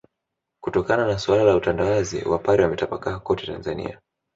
Kutokana na suala la utandawazi wapare wametapakaa kote Tanzania